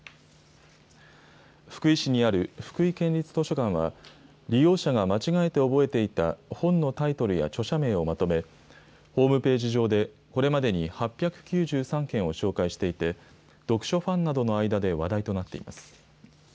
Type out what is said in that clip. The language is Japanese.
福井市にある福井県立図書館は、利用者が間違えて覚えていた本のタイトルや著者名をまとめ、ホームページ上でこれまでに８９３件を紹介していて、読書ファンなどの間で話題となっています。